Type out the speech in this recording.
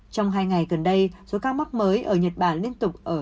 trong hai ngày gần đây số ca mắc mới ở nhật bản liên tục ở